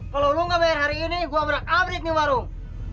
kalo lu gak biar hari ini gua berakabrit nih warung